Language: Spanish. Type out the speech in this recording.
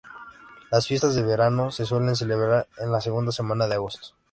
Las fiestas de verano se suelen celebrar en la segunda semana de agosto.